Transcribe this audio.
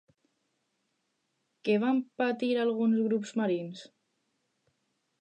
Què van patir alguns grups marins?